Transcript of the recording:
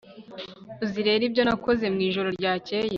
uzi rero ibyo nakoze mwijoro ryakeye